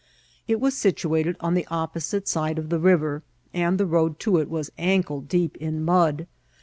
It was situated on the opposite side of the riveri and the road to it was ankle deep in mud.